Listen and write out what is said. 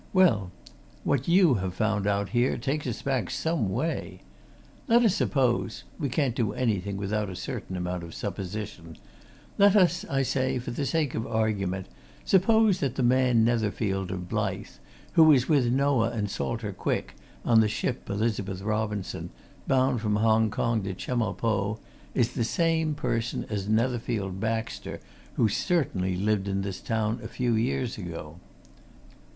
"Well, what you have found out here takes us back some way. Let us suppose we can't do anything without a certain amount of supposition let us, I say, for the sake of argument, suppose that the man Netherfield of Blyth, who was with Noah and Salter Quick on the ship Elizabeth Robinson, bound from Hong Kong to Chemulpo is the same person as Netherfield Baxter, who certainly lived in this town a few years ago.